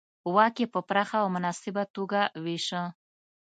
واک یې په پراخه او مناسبه توګه وېشه.